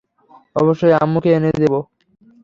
অবশ্যই আম্মুকে এনে দেবো।